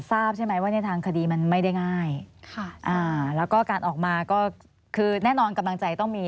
ทราบใช่ไหมว่าในทางคดีมันไม่ได้ง่ายค่ะอ่าแล้วก็การออกมาก็คือแน่นอนกำลังใจต้องมี